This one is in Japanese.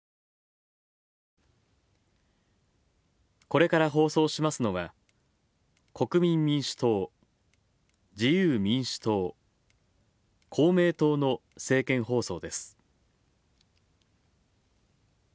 これから放送しますのは、国民民主党自由民主党公明党の政見放送です。